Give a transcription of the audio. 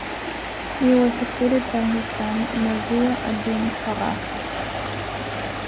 He was succeeded by his son Nasir-ad-Din Faraj.